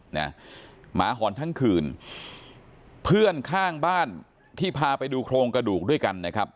หมาหอนทั้งคืนเพื่อนข้างบ้านที่พาไปดูโครงกระดูกด้วยกันนะครับ